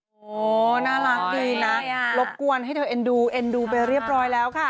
โอ้โหน่ารักดีนะรบกวนให้เธอเอ็นดูเอ็นดูไปเรียบร้อยแล้วค่ะ